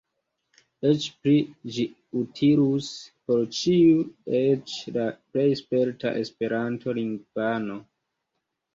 Eĉ pli – ĝi utilus por ĉiu, eĉ la plej sperta Esperanto-lingvano.